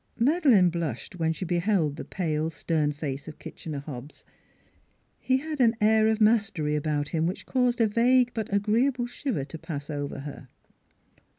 Madeleine blushed when she beheld the pale, stern face of Kitchener Hobbs. He had an air of mastery about him, which caused a vague but agreeable shiver to pass over her.